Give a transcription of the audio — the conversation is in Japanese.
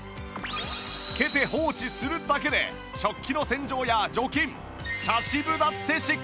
つけて放置するだけで食器の洗浄や除菌茶渋だってしっかり落とせます